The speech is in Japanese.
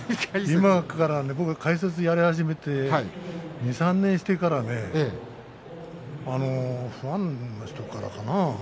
僕が解説をやり始めて２、３年してからねファンの人からかな？